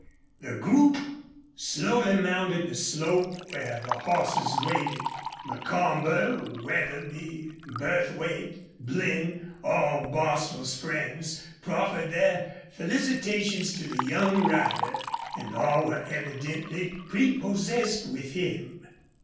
The group slowly mounted the slope where the horses waited. Macomber, Wetherby, Burthwait, Blinn all Bostil's friends proffered their felicitations to the young rider, and all were evidently prepossessed with him.